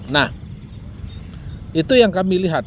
nah itu yang kami lihat